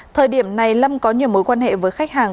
thời điểm này lâm có nhiều mối quan hệ với khách hàng